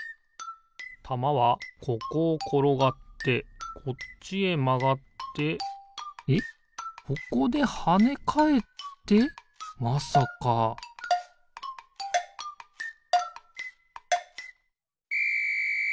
たまはここをころがってこっちへまがってえっここではねかえってまさかピッ！